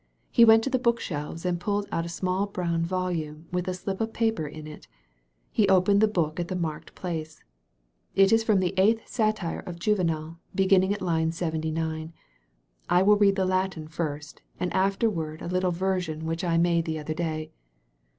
He went to the book shelves and pulled out a small brown volume with a slip of paper in it. He opened the book at the marked place.' *'It is from the Eighth Satire of Juvenal, beginning at line 79. I wiU read the Latin first, and afterward a little version which I made the other day."